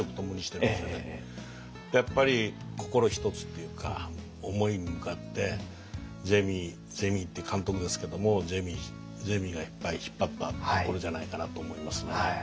やっぱり心一つっていうか思いに向かってジェイミージェイミーって監督ですけどもジェイミーがいっぱい引っ張ったところじゃないかなと思いますね。